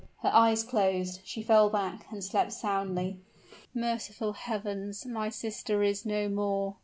Her eyes closed, she fell back and slept soundly. "Merciful Heavens! my sister is no more!"